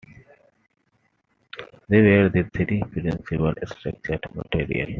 They were the three principal structural materials.